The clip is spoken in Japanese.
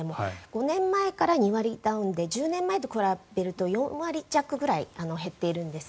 ５年前から２割ダウンで１０年前と比べると４割弱ぐらい減っているんです。